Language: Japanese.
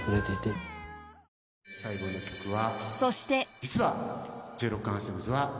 最後の曲は。